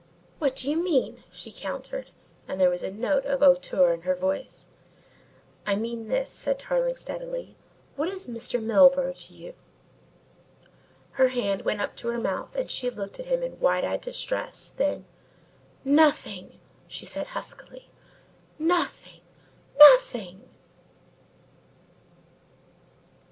"What do you mean?" she countered, and there was a note of hauteur in her voice. "I mean this," said Tarling steadily. "What is Mr. Milburgh to you?" Her hand went up to her mouth and she looked at him in wide eyed distress, then: "Nothing!" she said huskily. "Nothing, nothing!"